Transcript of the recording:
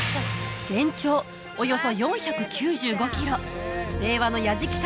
全長およそ４９５キロ令和の弥次